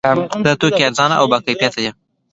دا توکي ارزانه او باکیفیته دي.